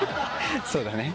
そうだね。